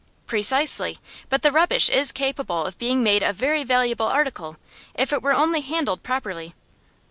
'Precisely, but the rubbish is capable of being made a very valuable article, if it were only handled properly.